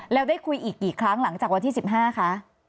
แล้วได้คุยอีกกี่ครั้งหลังจากวันที่๑๕คะ